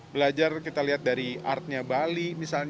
belajar kita lihat dari artnya bali misalnya